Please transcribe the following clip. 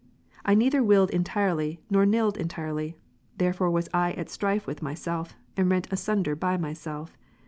I neither willed entirely, nor nilled entirely. Therefore was I at strife with myself, and rent asunder by myself.